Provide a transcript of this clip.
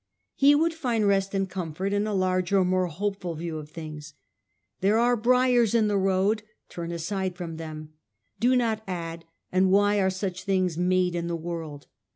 He would find rest and comfort in a larger, more hopeful view of things. 'There are briers in the road — turn aside from them. Do . viu. 50. not add. And why were such things made m the world